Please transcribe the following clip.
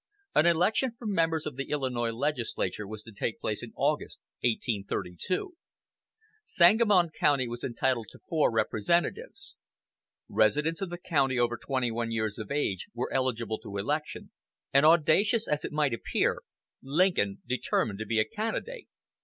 An election for members of the Illinois legislature was to take place in August, 1832. Sangamon County was entitled to four representatives. Residents of the county over twenty one years of age were eligible to election, and audacious as it might appear, Lincoln determined to be a candidate.